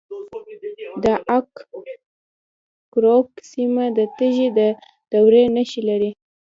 د اق کپروک سیمه د تیږې د دورې نښې لري